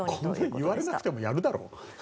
これ言われなくてもやるだろ。